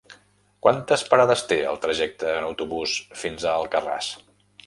Quantes parades té el trajecte en autobús fins a Alcarràs?